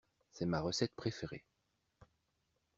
C'est ma recette préférée.